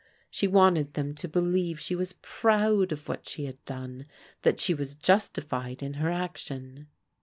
She wanted them to believe she was proud of what she had done — that she was justified in her action.